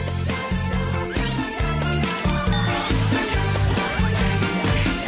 กลับสบัติข่าว